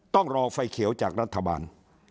ต้องรอไฟเขียวจากรัฐบาล